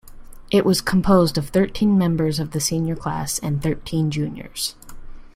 It was composed of thirteen members of the senior class and thirteen juniors.